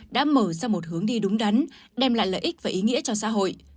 đã mở ra một hướng đi đúng đắn đem lại lợi ích và ý nghĩa cho xã hội